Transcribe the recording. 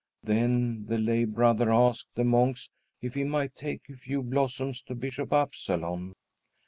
Then the lay brother asked the monks if he might take a few blossoms to Bishop Absalon.